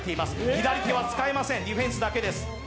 左手は使えません、ディフェンスだけです。